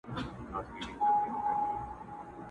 چي هر مړی ښخېدی همدا کیسه وه،